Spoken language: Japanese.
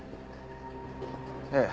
ええ。